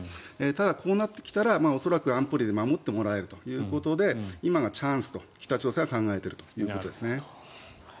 ただ、こうなってきたら恐らく安保理で守ってもらえるということで今がチャンスと北朝鮮は考えているということですね。